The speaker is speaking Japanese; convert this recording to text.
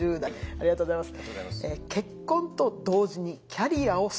ありがとうございます。